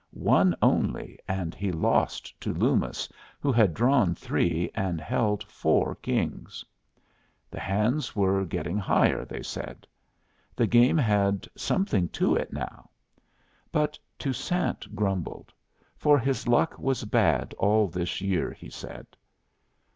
One only, and he lost to Loomis, who had drawn three, and held four kings. The hands were getting higher, they said. The game had "something to it now." But Toussaint grumbled, for his luck was bad all this year, he said.